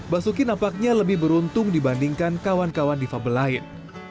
basuki nampaknya lebih beruntung dibandingkan kawan kawan difabel lain